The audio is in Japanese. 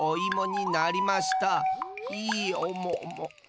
いいおもおも。